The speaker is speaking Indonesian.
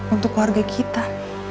untuk keluarga kita